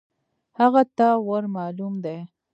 هغه ته ور مالوم دی .